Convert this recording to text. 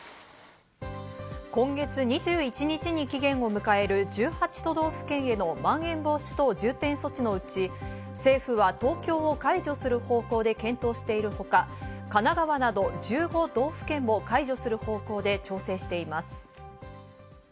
今月２１日に期限を迎える、１８都道府県へのまん延防止等重点措置のうち政府は東京を解除する方向で検討しているほか、神奈川など１５道府県も解除する方向で調整しています。